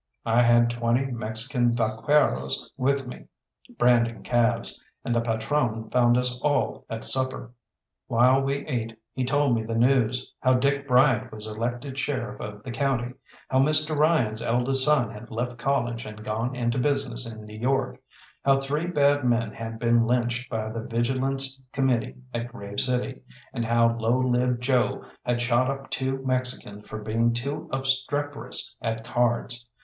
I had twenty Mexican vaqueros with me, branding calves; and the patrone found us all at supper. While we ate he told me the news how Dick Bryant was elected Sheriff of the county; how Mr. Ryan's eldest son had left college and gone into business in New York; how three bad men had been lynched by the Vigilance Committee at Grave City; and how Low Lived Joe had shot up two Mexicans for being too obstreperous at cards.